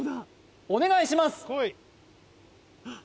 お願いします！